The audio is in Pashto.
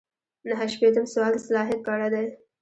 نهه شپیتم سوال د صلاحیت په اړه دی.